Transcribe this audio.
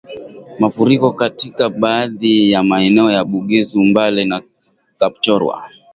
Mafuriko katika baadhi ya maeneo ya Bugisu Mbale na Kapchorwa